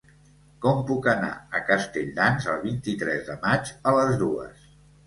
Com puc anar a Castelldans el vint-i-tres de maig a les dues?